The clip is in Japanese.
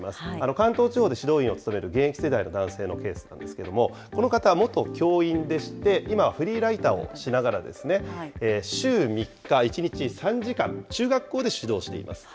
関東地方で指導員を務める現役世代の男性のケースなんですけれども、この方、元教員でして、今はフリーライターをしながら、週３日、１日３時間、中学校で指導しています。